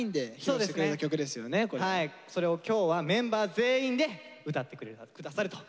それを今日はメンバー全員で歌って下さるということで。